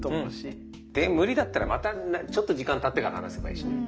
で無理だったらまたちょっと時間たってから話せばいいし。